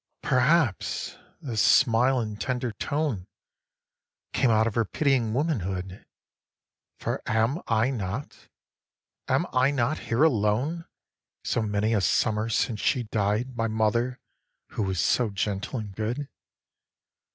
8. Perhaps the smile and tender tone Came out of her pitying womanhood, For am I not, am I not, here alone So many a summer since she died, My mother, who was so gentle and good?